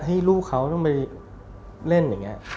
ให้ลูกเขาต้องไปเล่นอย่างนี้